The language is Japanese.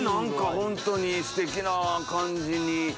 本当にステキな感じに。